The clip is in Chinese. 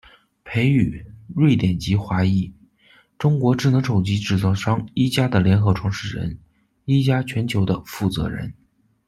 裴宇，瑞典籍华裔，中国智能手机制造商一加的联合创始人，一加全球的负责人。